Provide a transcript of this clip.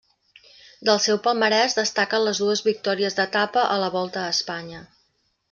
Del seu palmarès destaquen les dues victòries d'etapa a la Volta a Espanya.